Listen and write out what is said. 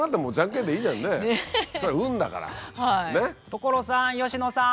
所さん佳乃さん。